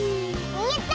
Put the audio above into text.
やった！